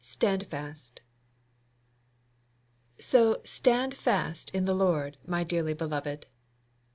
STANDFAST "So stand fast in the Lord, my dearly beloved."